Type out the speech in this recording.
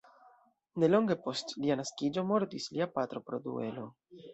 Nelonge post lia naskiĝo mortis lia patro, pro duelo.